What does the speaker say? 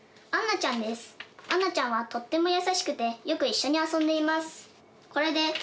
杏奈ちゃんはとっても優しくてよく一緒に遊んでいます。